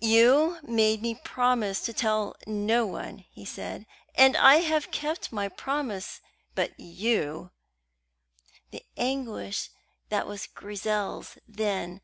"You made me promise to tell no one," he said, "and I have kept my promise: but you " The anguish that was Grizel's then!